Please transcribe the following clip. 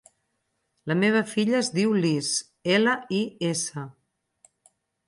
La meva filla es diu Lis: ela, i, essa.